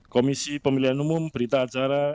komisi pemilihan umum berita acara